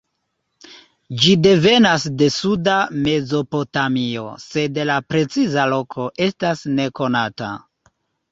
Ĝi devenas de suda Mezopotamio, sed la preciza loko estas nekonata.